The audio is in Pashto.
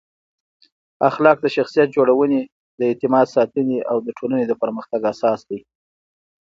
اخلاق د شخصیت جوړونې، د اعتماد ساتنې او د ټولنې د پرمختګ اساس دی.